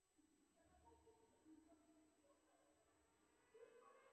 بوټونه د برېښنايي بازارونو کې هم خرڅېږي.